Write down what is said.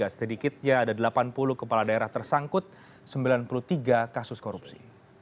sedikitnya ada delapan puluh kepala daerah tersangkut sembilan puluh tiga kasus korupsi